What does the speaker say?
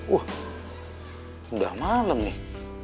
udah malem nih